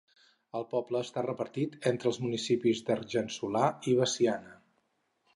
El poble està repartit entre els municipis d'Argençola i Veciana.